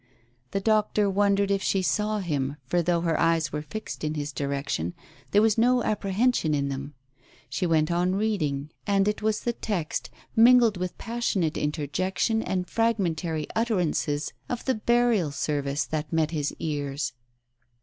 The doctor wondered if she saw him, for though her eyes were fixed in his direction, there was no apprehen sion in them. She went on reading, and it was the text, mingled with passionate interjection and fragmentary utterances, of the Burial Service that met his ears.